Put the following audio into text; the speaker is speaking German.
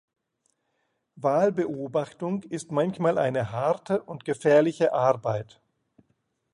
Wahlbeobachtung ist manchmal eine harte und gefährliche Arbeit.